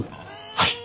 はい。